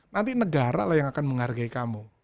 nanti negara lah yang akan menghargai kamu